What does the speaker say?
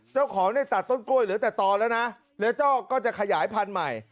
เจ้าของเนี่ยตัดต้นกล้วยเหลือแต่ต่อแล้วนะเหลือเจ้าก็จะขยายพันธุ์ใหม่